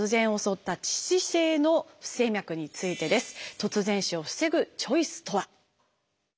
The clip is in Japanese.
突然死を防ぐチョイスとは。